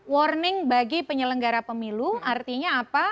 warning bagi penyelenggara pemilu artinya apa